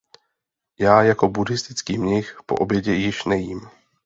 Já jako buddhistický mnich po obědě již nejím.